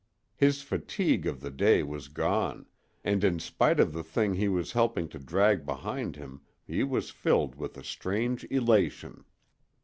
His fatigue of the day was gone, and in spite of the thing he was helping to drag behind him he was filled with a strange elation.